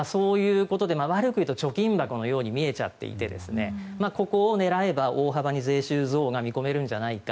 悪く言うと貯金箱のように見えちゃっていてここを狙えば大幅に税収増が見込めるんじゃないか。